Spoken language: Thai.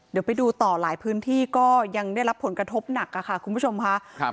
เดี๋ยวไปดูต่อหลายพื้นที่ก็ยังได้รับผลกระทบหนักค่ะคุณผู้ชมค่ะ